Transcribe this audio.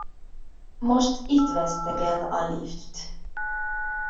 Most itt vesztegel a lift.